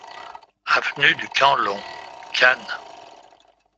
Avenue du Camp Long, Cannes